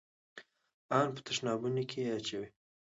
ان په تشنابونو کښې يې اچوي.